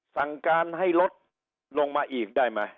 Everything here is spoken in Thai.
สั่งการให้ลดลงมาอีกได้ไหม